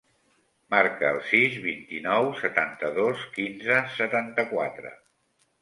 Marca el sis, vint-i-nou, setanta-dos, quinze, setanta-quatre.